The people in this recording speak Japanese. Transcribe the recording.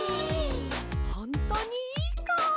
ほんとにいいか？